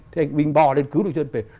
thế anh vinh bò lên cứu đồng đội trưởng